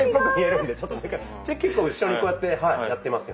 そんなに違う⁉結構後ろにこうやってやってますよね。